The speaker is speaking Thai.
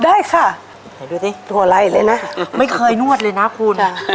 ได้ค่ะเดี๋ยวดูสิหนัวไล่เลยน่ะไม่เคยนวดเลยน่ะคุณค่ะ